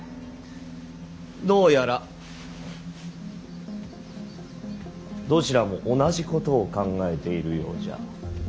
どうやらどちらも同じことを考えているようじゃ。